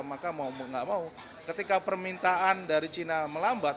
maka mau nggak mau ketika permintaan dari china melambat